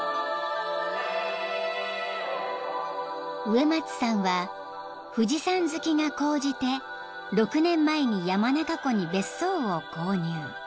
［上松さんは富士山好きが高じて６年前に山中湖に別荘を購入］